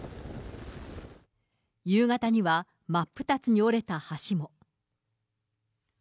夕方には、真っ二つに折れた橋も。